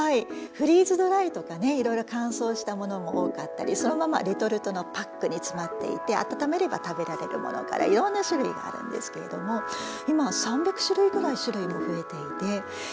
フリーズドライとかねいろいろ乾燥したものも多かったりそのままレトルトのパックに詰まっていて温めれば食べられるものからいろんな種類があるんですけれども今は３００種類ぐらい種類も増えていて味もね